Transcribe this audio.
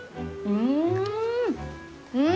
うん。